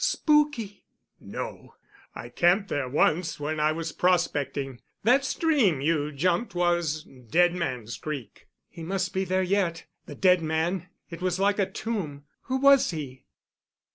"Spooky." "No. I camped there once when I was prospecting. That stream you jumped was Dead Man's Creek." "He must be there yet, the dead man. It was like a tomb. Who was he?"